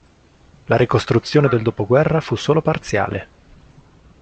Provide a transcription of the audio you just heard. La ricostruzione del dopoguerra fu solo parziale.